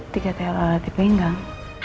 tiga telah dipinggang